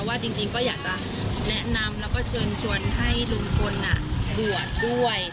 ว่าจริงก็อยากจะแนะนำแล้วก็เชิญชวนให้ลุงพลบวชด้วย